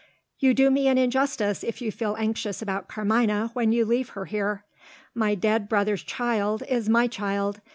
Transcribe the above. "You do me an injustice if you feel anxious about Carmina, when you leave her here. My dead brother's child, is my child.